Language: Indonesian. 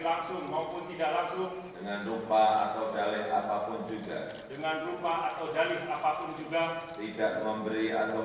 lalu kebangsaan indonesia baik